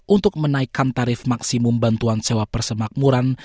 untuk menaikkan tarif maksimum bantuan sewa persemakmuran